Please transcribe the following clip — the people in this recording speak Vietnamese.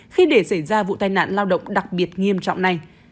khi để xảy ra vụ tai nạn lao động đặc biệt nghiêm trọng này